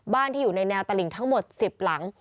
ที่อยู่ในแนวตลิงทั้งหมด๑๐หลัง